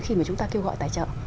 khi mà chúng ta kêu gọi tài trợ